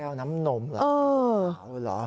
แก้วน้ำนมเหรอ